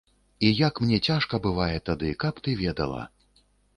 І як мне цяжка бывае тады, каб ты ведала.